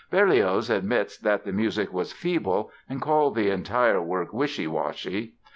Berlioz admits that the music was "feeble" and called the entire work "wishy washy".